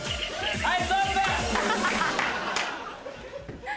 はい。